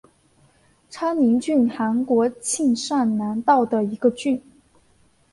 昌宁郡韩国庆尚南道的一个郡。